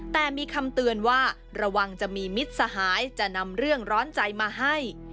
แต่มีคำเตือนว่าระวังจะมีมิตรสหายจะนำเรื่องร้อนใจมาให้